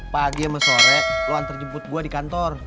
pagi sama sore lo antar jemput gua di kantor